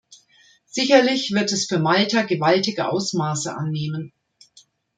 Sicherlich wird es für Malta gewaltige Ausmaße annehmen.